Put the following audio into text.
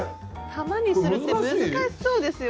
球にするって難しいそうですよだって。